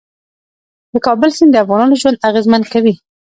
د کابل سیند د افغانانو ژوند اغېزمن کوي.